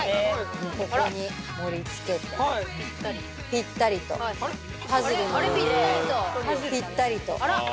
ここに盛りつけてぴったりと、パズルのように、ぴったりと。